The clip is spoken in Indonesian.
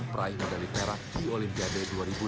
praing medali perak di olimpiade